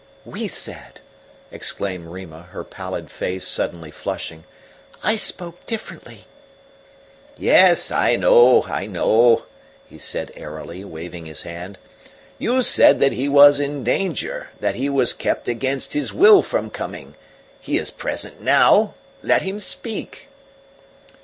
"WE said!" exclaimed Rima, her pallid face suddenly flushing. "I spoke differently." "Yes, I know I know!" he said airily, waving his hand. "You said that he was in danger, that he was kept against his will from coming. He is present now let him speak."